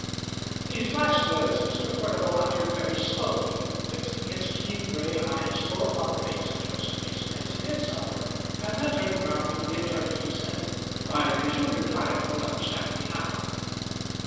These last words Mr. Furnival uttered very slowly, fixing his keen grey eyes full upon the face of Joseph Mason as he did so, and then turning round to the attorney he said, "I presume your client will understand me now."